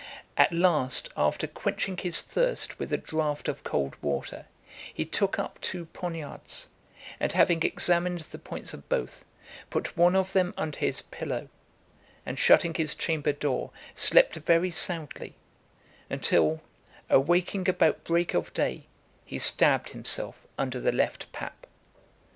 At last, after quenching his thirst with a draught of cold water, he took up two poniards, and having examined the points of both, put one of them under his pillow, and shutting his chamber door, slept very soundly, until, awaking about break of day, he stabbed himself under the left pap.